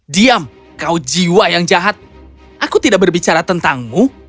diam kau jiwa yang jahat aku tidak berbicara tentangmu